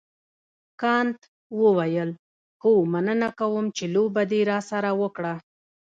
کانت وویل هو مننه کوم چې لوبه دې راسره وکړه.